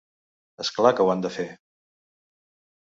És clar que ho han de fer.